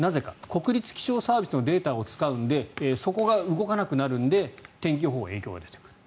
国立気象サービスのデータを使うのでそこが動かなくなるので天気予報に影響が出てくる。